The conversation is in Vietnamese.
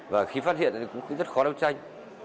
và khi phát hiện thì cũng rất khó đấu tranh